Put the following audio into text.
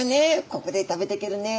ここで食べていけるね